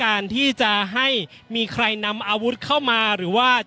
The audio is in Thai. อย่างที่บอกไปว่าเรายังยึดในเรื่องของข้อ